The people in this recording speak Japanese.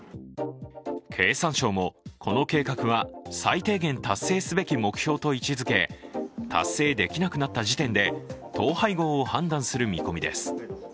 経産省もこの計画は最低限達成すべき目標と位置づけ達成できなくなった時点で統廃合を判断する見込みです。